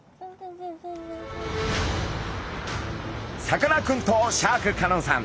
さかなクンとシャーク香音さん